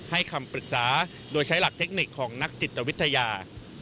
คำปรึกษาโดยใช้หลักเทคนิคของนักจิตวิทยา